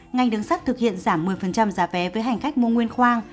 ngành đường sắt thực hiện giảm một mươi giá vé với hành khách mua nguyên khoang